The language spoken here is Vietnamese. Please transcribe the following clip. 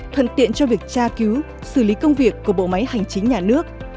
thuận tiện cho việc tra cứu xử lý công việc của bộ máy hành chính nhà nước